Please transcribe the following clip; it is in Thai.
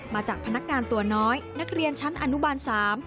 มาจากพนักงานตัวน้อยนักเรียนชั้นอนุบาลสาม